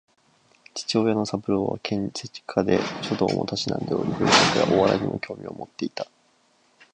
父親の三郎は建築士で、書道も嗜んでおり文学やお笑いにも興味を持っていた